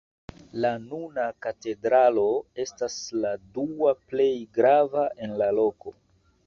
La nuna katedralo estas la dua plej grava en la loko.